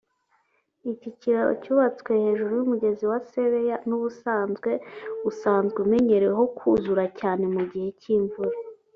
Iki kiraro cyubatswe hejuru y’umugezi wa Sebeya n’ubusanzwe usanzwe umenyereweho kuzura cyane mu gihe cy’imvura